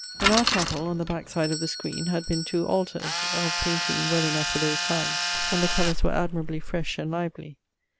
In our chapell, on the backside of the skreen, had been two altars (of painting well enough for those times, and the colours were admirably fresh and lively).